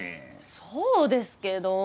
そうですけど。